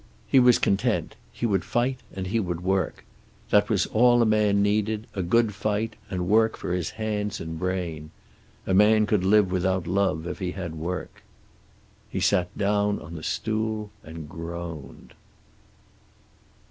He was content. He would fight and he would work. That was all a man needed, a good fight, and work for his hands and brain. A man could live without love if he had work. He sat down on the stool and groaned.